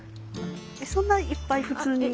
そんないっぱい普通に？